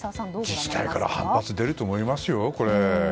自治体から反発が出ると思いますよ。